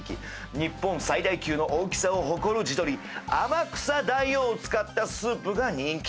日本最大級の大きさを誇る地鶏天草大王を使ったスープが人気。